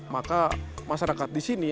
maka masyarakat di sini